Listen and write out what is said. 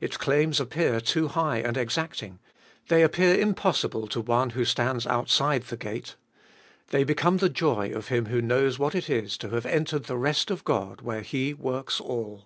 Its claims appear too high and exacting, they appear impossible to one who stands outside the gate. They become the joy of him who knows what it is to have entered the rest of God, where He works all.